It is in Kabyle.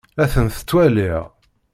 La tent-ttwaliɣ.